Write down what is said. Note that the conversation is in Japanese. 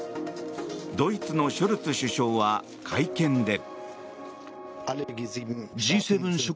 ドイツのショルツ首相は会見で。